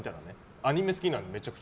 アニメ好きなのでめちゃくちゃ。